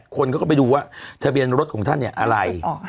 คนเขาก็ไปดูว่าทะเบียนรถของท่านเนี่ยอะไร